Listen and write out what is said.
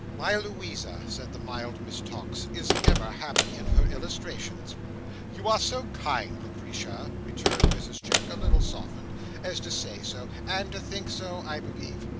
"My Louisa," said the mild Miss Tox, "is ever happy in her illustrations." "You are so kind, Lucretia," returned Mrs Chick, a little softened, "as to say so, and to think so, I believe.